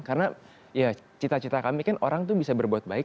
karena cita cita kami kan orang itu bisa berbuat baik